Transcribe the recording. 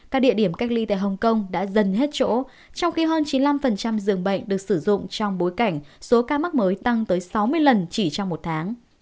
các địa điểm cách ly tại hồng kông đã dần hết chỗ trong khi hơn chín mươi năm dường bệnh được sử dụng trong bối cảnh số ca mắc mới tăng tới sáu mươi lần chỉ trong một tháng